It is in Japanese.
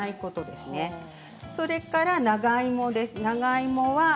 それから長芋です。